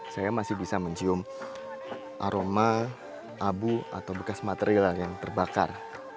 saya masih bisa mencium aroma abu atau bekas material yang terbakar